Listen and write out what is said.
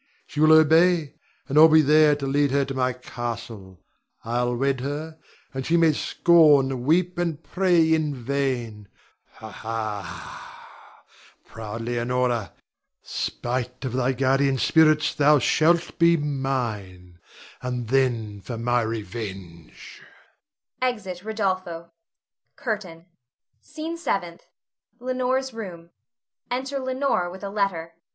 She will obey, and I'll be there to lead her to my castle. I'll wed her, and she may scorn, weep, and pray in vain. Ha, ha! proud Leonore, spite of thy guardian spirits thou shalt be mine, and then for my revenge! [Exit Rodolpho. CURTAIN. SCENE SEVENTH. [Leonore's room. Enter Leonore with a letter.] Leonore.